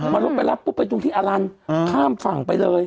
มันรถไปรับปุ๊บไปจุงที่อารันทร์ข้ามฝั่งไปเลย